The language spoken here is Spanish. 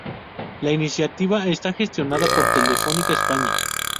La iniciativa está gestionada por Telefónica España.